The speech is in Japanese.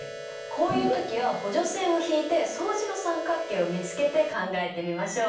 こういう時は補助線を引いて相似の三角形を見つけて考えてみましょう。